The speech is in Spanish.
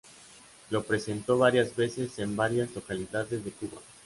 Lo presentó varias veces en varias localidades de Cuba.